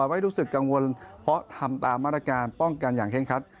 ไม่รู้สึกกังวลเพราะทำตามมาตรการป้องกันอย่างเคร่งคัด